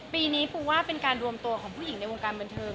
ปีนี้ปูว่าเป็นการรวมตัวของผู้หญิงในวงการบันเทิง